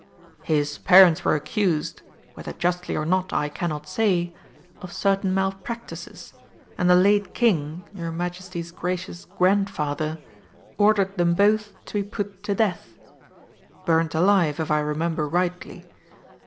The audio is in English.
"His parents were accused, whether justly or not I cannot say, of certain malpractices, and the late King, your Majesty's gracious grandfather, ordered them both to be put to death. Burnt alive, if I remember rightly.